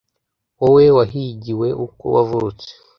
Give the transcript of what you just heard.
wowe wahigiwe uko wavutse